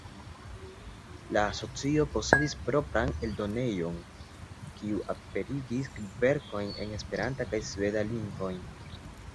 La asocio posedis propran eldonejon, kiu aperigis verkojn en Esperanta kaj sveda lingvoj.